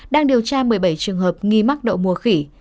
đang điều tra một mươi bảy trường hợp nghi mắc đậu mùa khỉ